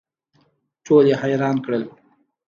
ټول یې حیران کړل.